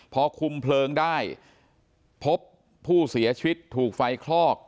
พอคุมเพลิงได้พบผู้เสียชีวิตถูกไฟคลอก